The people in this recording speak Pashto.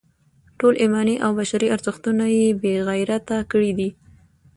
ټول ایماني او بشري ارزښتونه یې بې غیرته کړي دي.